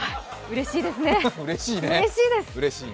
うれしいですね！